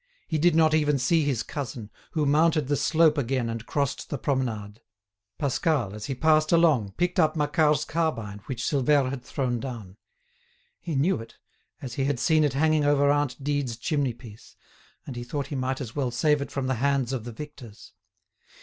He did not even see his cousin, who mounted the slope again and crossed the promenade. Pascal, as he passed along, picked up Macquart's carbine which Silvère had thrown down; he knew it, as he had seen it hanging over aunt Dide's chimney piece, and he thought he might as well save it from the hands of the victors.